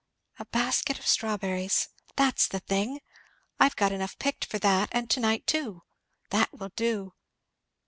A basket of strawberries! that's the thing! I've got enough picked for that and to night too. That will do!"